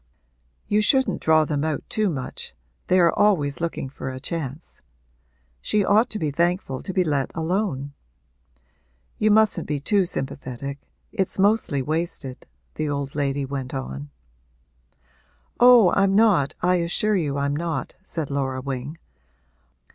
You shouldn't draw them out too much they are always looking for a chance. She ought to be thankful to be let alone. You mustn't be too sympathetic it's mostly wasted,' the old lady went on. 'Oh, I'm not I assure you I'm not,' said Laura Wing.